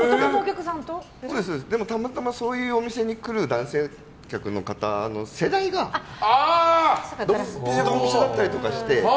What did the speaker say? たまたま、そういうお店に来る男性客の方の世代がドンピシャだったりして。